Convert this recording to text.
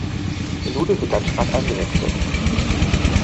Minute für Gerd Strack eingewechselt.